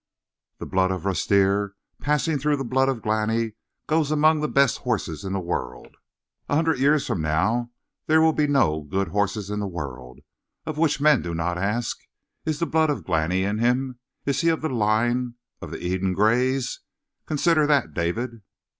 The blood of Rustir, passing through the blood of Glani, goes among the best horses of the world. A hundred years from now there will be no good horse in the world, of which men do not ask: 'Is the blood of Glani in him? Is he of the line of the Eden Grays?' Consider that, David!"